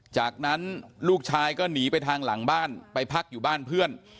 จากนั้นลูกชายก็หนีไปทางหลังบ้านไปพักอยู่บ้านเพื่อน